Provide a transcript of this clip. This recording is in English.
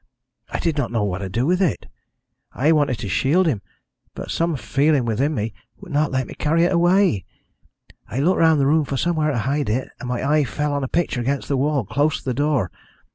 "I did not know what to do with it. I wanted to shield him, but some feeling within me would not let me carry it away. I looked round the room for somewhere to hide it, and my eye fell on a picture against the wall, close to the door.